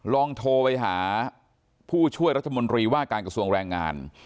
ลองโทรไปหาผู้ช่วยรัฐมนตรีว่าการกระทรวงแรงงาน